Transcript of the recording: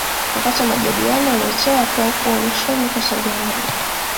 Wakati wa mahojiano aliyotoa akiwa uhamishoni huko Saudi Arabia